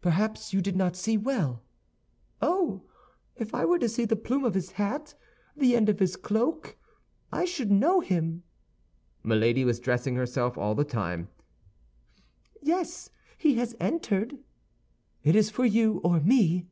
"Perhaps you did not see well." "Oh, if I were to see the plume of his hat, the end of his cloak, I should know him!" Milady was dressing herself all the time. "Yes, he has entered." "It is for you or me!"